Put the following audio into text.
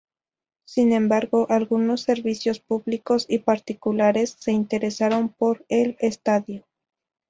Sin embargo, algunos servicios públicos y particulares se interesaron por el estadio.